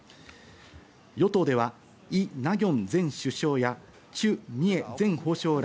与党ではイ・ナギョン前首相やチュ・ミエ前法相ら